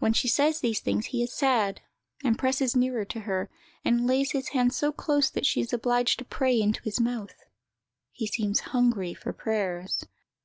When she says these things, he is sad, and presses nearer to her, and lays his head so close that she is obliged to pray into his mouth. _He seems hungry for prayers.